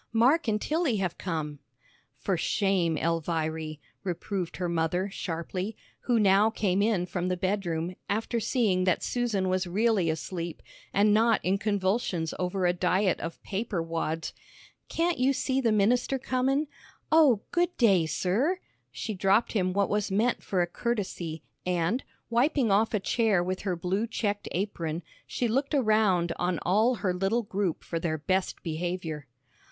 "Mark and Tilly have come!" "For shame, Elviry," reproved her mother, sharply, who now came in from the bedroom, after seeing that Susan was really asleep, and not in convulsions over a diet of paper wads. "Can't you see the minister comin'? Oh, good day, sir!" She dropped him what was meant for a courtesy, and, wiping off a chair with her blue checked apron, she looked around on all her little group for their best behavior.